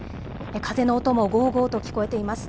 風の音もごーごーと聞こえています。